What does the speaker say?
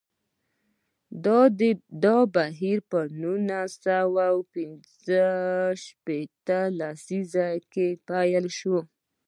دا بهیر په نولس سوه پنځوس او شپیته لسیزو کې پیل شو.